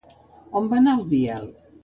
On va anar el Biel?